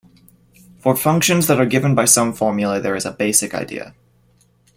For functions that are given by some formula there is a basic idea.